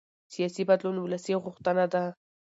سیاسي بدلون ولسي غوښتنه ده